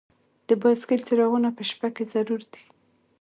د بایسکل څراغونه په شپه کې ضرور دي.